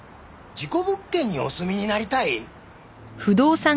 事故物件にお住みになりたい？